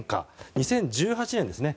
２０１８年ですね